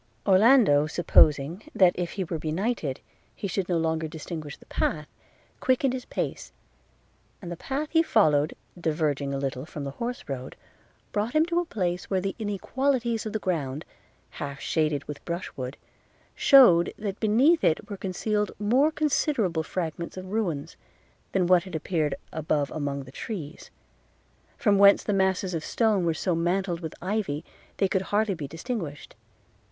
– Orlando supposing, that if he were benighted, he should no longer distinguish the path, quickened his pace; and the path he followed, diverging a little from the horse road, brought him to a place where the inequalities of the ground, half shaded with brush wood, shewed, that beneath it were concealed more considerable fragments of ruins, than what appeared above among the trees, from whence the masses of stone were so mantled with ivy, they could hardly be distinguished.